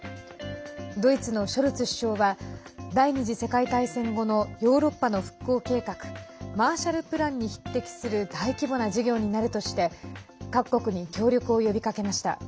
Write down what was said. ドイツのショルツ首相は第２次世界大戦後のヨーロッパの復興計画マーシャルプランに匹敵する大規模な事業になるとして各国に協力を呼びかけました。